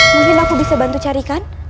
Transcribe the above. mungkin aku bisa bantu carikan